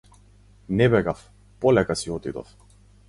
Не бегав, полека си отидов.